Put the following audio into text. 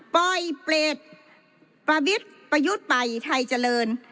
ปล่อยเปรตประวิทย์ประยุทธ์ไปไทยเจริญ